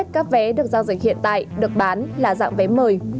hầu hết các vé được giao dịch hiện tại được bán là dạng vé mời